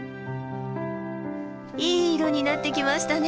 いい色になってきましたね。